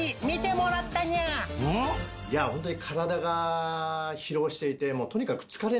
いやホントに。